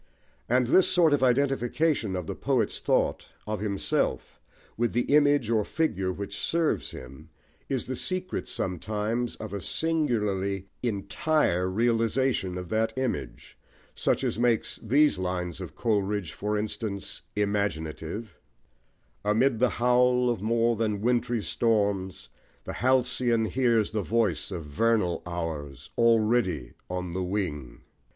And this sort of identification of the poet's thought, of himself, with the image or figure which serves him, is the secret, sometimes, of a singularly entire realisation of that image, such as makes these lines of Coleridge, for instance, "imaginative" Amid the howl of more than wintry storms, The halcyon hears the voice of vernal hours Already on the wing.